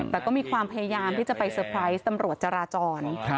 แต่ก็มีความพยายามที่จะไปเซอร์ไพรส์ตำรวจจราจร